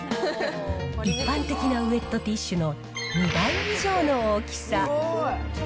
一般的なウエットティッシュの２倍以上の大きさ。